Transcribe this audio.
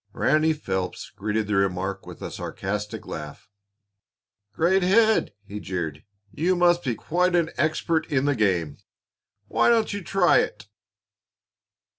Ranny Phelps greeted the remark with a sarcastic laugh. "Great head!" he jeered. "You must be quite an expert in the game. Why don't you try it?"